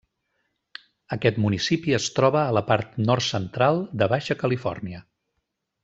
Aquest municipi es troba a la part nord-central de Baixa Califòrnia.